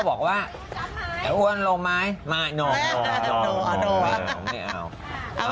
พี่ลงมาแล้วอ๊า